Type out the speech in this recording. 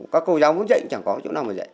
các cô giáo muốn dạy chẳng có chỗ nào phải dạy